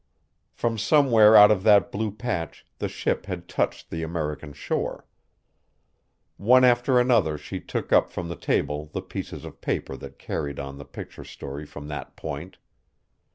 From somewhere out of that blue patch the ship had touched the American shore. One after another she took up from the table the pieces of paper that carried on the picture story from that point.